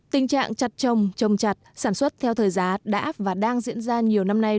tình trạng chặt trồng trồng chặt sản xuất theo thời giá đã và đang diễn ra nhiều năm nay